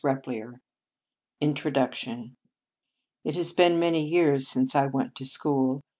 Junus 481.723 Introduction IT has been many years since I went to school.